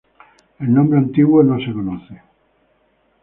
El nombre antiguo no se conoce.